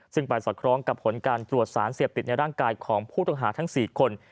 ซึ่งไปสอดคล้องกับผลการตรวจสารเสพติดในร่างกายของผู้ต้องหาทั้ง๔คน